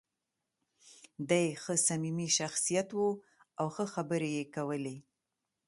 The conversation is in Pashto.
دی ښه صمیمي شخصیت و او ښه خبرې یې کولې.